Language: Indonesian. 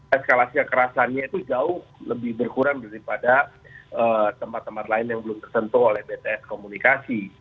eskalasi kekerasannya itu jauh lebih berkurang daripada tempat tempat lain yang belum tersentuh oleh bts komunikasi